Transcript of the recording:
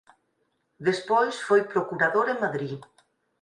Despois foi procurador en Madrid.